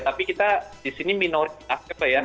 tapi kita di sini minoritas apa ya